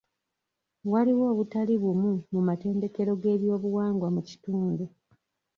Waliwo obutali bumu mu matendekero g'ebyobuwangwa mu kitundu.